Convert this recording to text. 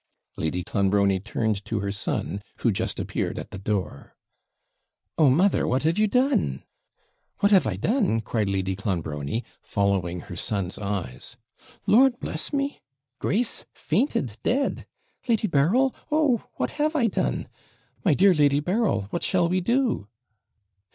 Lady Clonbrony turned to her son, who just appeared at the door. 'Oh, mother! what have you done?' 'What have I done?' cried Lady Clonbrony, following her son's eyes: 'Lord bless me! Grace fainted dead lady Berryl? Oh, what have I done? My dear Lady Berryl, what shall we do?'